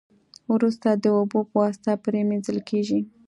وروسته د اوبو په واسطه پری مینځل کیږي.